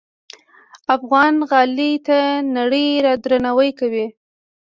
افغان غالۍ ته نړۍ درناوی کوي.